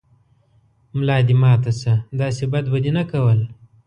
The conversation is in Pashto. ملا دې ماته شۀ، داسې بد به دې نه کول